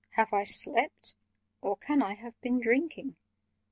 "Have I slept? Or can I have been drinking?"